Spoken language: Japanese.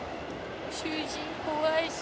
囚人怖いし。